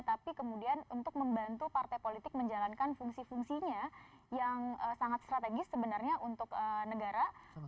tapi kemudian untuk membantu partai politik menjalankan fungsi fungsinya yang sangat strategis sebenarnya untuk negara